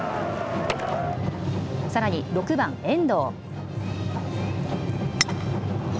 さらに６番・遠藤。